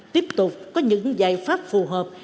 tiếp tục có những giải pháp phù hợp